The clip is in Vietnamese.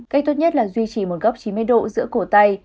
cách tốt nhất là duy trì một góc chín mươi độ giữa cổ tay